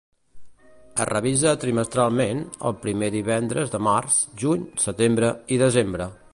Es revisa trimestralment, el primer divendres de març, juny, setembre i desembre.